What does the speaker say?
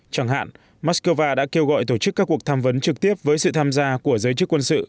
chẳng hạn mắc cơ va đã kêu gọi tổ chức các cuộc tham vấn trực tiếp với sự tham gia của giới chức quân sự